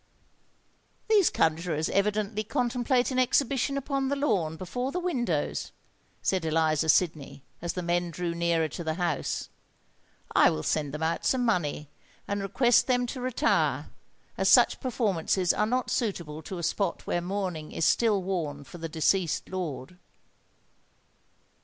"These conjurors evidently contemplate an exhibition upon the lawn before the windows," said Eliza Sydney, as the men drew nearer to the house. "I will send them out some money and request them to retire, as such performances are not suitable to a spot where mourning is still worn for the deceased lord."